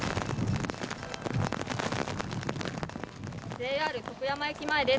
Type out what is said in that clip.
ＪＲ徳山駅前です。